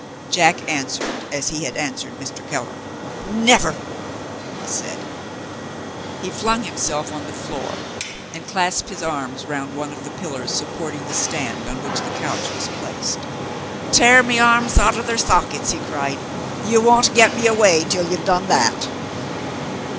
Jack answered as he had answered Mr. Keller. "Never!" he said. He flung himself on the floor, and clasped his arms round one of the pillars supporting the stand on which the couch was placed. "Tear my arms out of their sockets," he cried "you won't get me away till you've done that!"